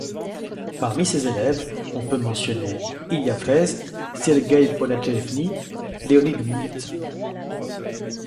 Parmi ses élèves on peut mentionner Ilia Frez, Sergueï Ponatchevny, Leonid Kmit...